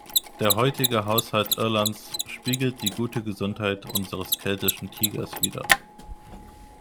Der heutige Haushalt Irlands spiegelt die gute Gesundheit unseres keltischen Tigers wider.